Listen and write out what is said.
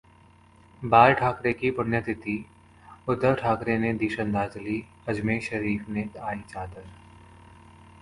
बाल ठाकरे की पुण्यतिथि: उद्धव ठाकरे ने दी श्रद्धांजलि, अजमेर शरीफ से आई चादर